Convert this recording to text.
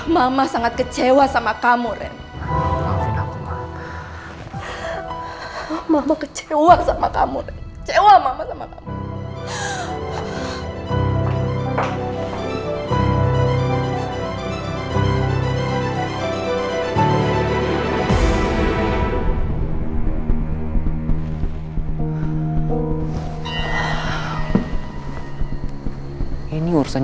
mama sangat kecewa sama kamu ren